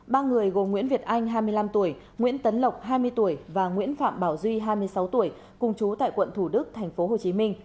ba người gồm nguyễn việt anh hai mươi năm tuổi nguyễn tấn lộc hai mươi tuổi và nguyễn phạm bảo duy hai mươi sáu tuổi cùng chú tại quận thủ đức tp hcm